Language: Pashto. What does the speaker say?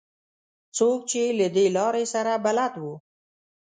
څوک چې له دې لارې سره بلد وو.